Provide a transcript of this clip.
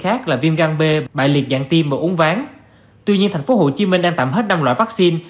khác là viêm gan b bại liệt dạng tim và uống ván tuy nhiên tp hcm đang tạm hết năm loại vaccine